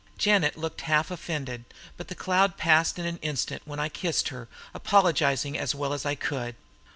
Janet looked half offended, but the cloud passed in an instant when I kissed her, apologizing as well as I could.